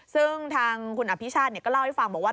ซึ่งทางคุณอภิชาติก็เล่าให้ฟังบอกว่า